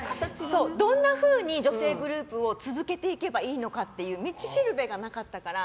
どんなふうに女性グループを続けていけばいいのかっていう道しるべがなかったから。